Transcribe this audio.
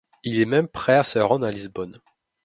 Il est même prêt à se rendre à Lisbonne.